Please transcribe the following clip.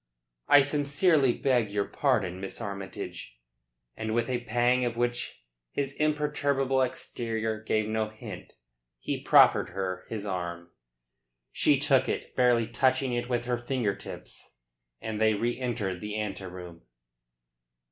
"I sincerely beg your pardon, Miss Armytage," and with a pang of which his imperturbable exterior gave no hint he proffered her his arm. She took it, barely touching it with her finger tips, and they re entered the ante room.